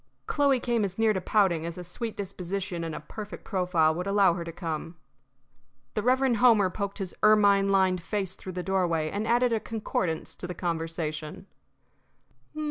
Chloe came as near to pouting as a sweet disposition and a perfect profile would allow her to come. The Reverend Homer poked his ermine lined face through the doorway and added a concordance to the conversation.